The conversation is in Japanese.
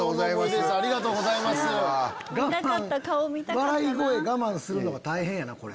笑い声我慢するのが大変やな。